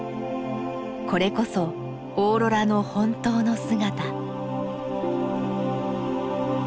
これこそオーロラの本当の姿。